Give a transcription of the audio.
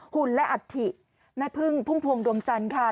หุ่นและอทิแม่ผึ้งพึ่งพวงดมชันค่ะ